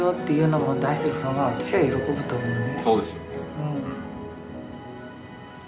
そうですよね。